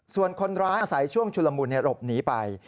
ส่วนคนร้ายอาศัยช่วงชุลมุนหลบหนีไป